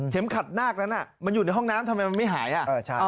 ขัดนาคนั้นมันอยู่ในห้องน้ำทำไมมันไม่หาย